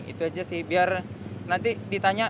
itu aja sih biar nanti ditanya